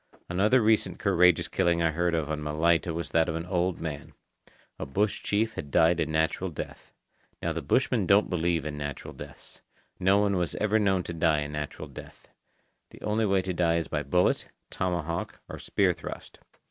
Another recent courageous killing I heard of on Malaita was that of an old man. A bush chief had died a natural death. Now the bushmen don't believe in natural deaths. No one was ever known to die a natural death. The only way to die is by bullet, tomahawk, or spear thrust.